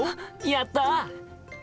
やった！